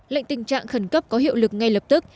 lệnh tình trạng khẩn cấp có hiệu lực ngay lập tức